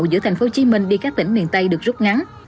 giữa thành phố hồ chí minh đi các tỉnh miền tây được rút ngắn